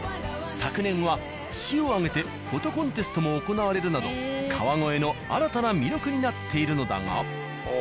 昨年は市を挙げてフォトコンテストも行われるなど川越の新たな魅力になっているのだが。